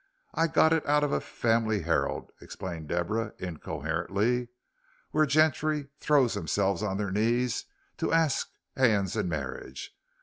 I got it out of a Family Herald," explained Deborah, incoherently, "where gentry throw themselves on their knees to arsk 'ands in marriage.